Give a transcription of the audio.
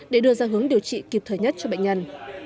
để đưa ra hướng điều trị kịp thời nhất cho bệnh nhân